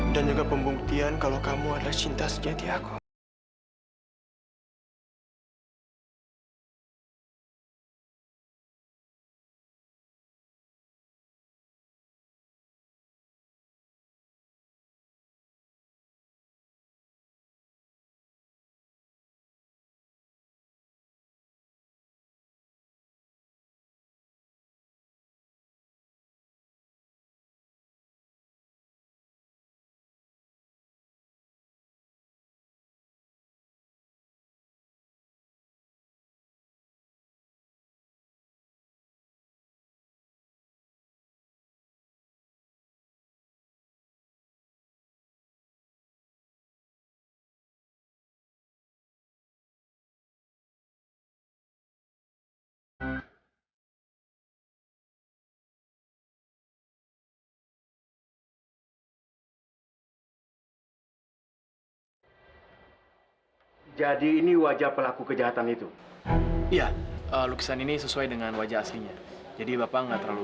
dan juga pembuktian kalau kamu adalah cinta sejati aku